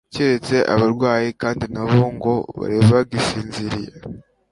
keretse abarwayi kandi nabo ngo bari bagisinziriye